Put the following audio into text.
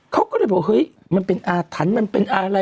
เขาก็เลยบอกเฮ้ยมันเป็นอาถรรพ์มันเป็นอะไร